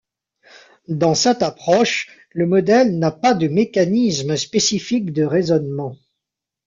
Dans cette approche le modèle n'a pas de mécanismes spécifiques de raisonnement.